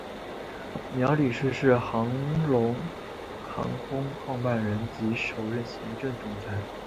苗礼士是港龙航空创办人及首任行政总裁。